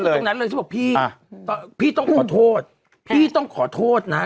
ก็คือตรงนั้นเลยฉันบอกพี่อ่าพี่ต้องขอโทษพี่ต้องขอโทษนะ